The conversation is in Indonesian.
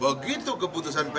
begitu keputusan pn